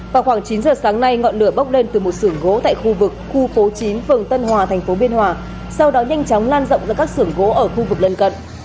vào khoảng chín giờ sáng nay ngọn lửa bốc lên từ một sưởng gỗ tại khu vực khu phố chín phường tân hòa thành phố biên hòa sau đó nhanh chóng lan rộng ra các xưởng gỗ ở khu vực lân cận